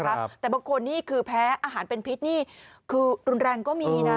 แต่บางคนนี่คือแพ้อาหารเป็นพิษนี่คือรุนแรงก็มีนะ